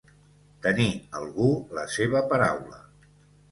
Tenir, algú, la seva paraula.